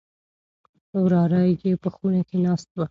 وراره يې په خونه کې ناست و.